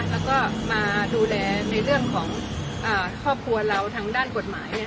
แล้วก็มาดูแลในเรื่องของครอบครัวเราทางด้านกฎหมาย